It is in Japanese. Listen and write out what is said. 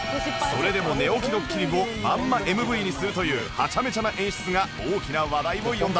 それでも寝起きドッキリをまんま ＭＶ にするというはちゃめちゃな演出が大きな話題を呼んだ